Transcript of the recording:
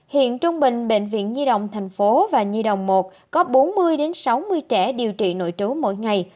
hiện trung bình bệnh viện nhi đồng tp hcm và nhi đồng một có bốn mươi sáu mươi trẻ điều trị nội trú mỗi ngày